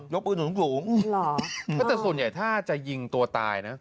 ปืนสูงแต่ส่วนใหญ่ถ้าจะยิงตัวตายนะ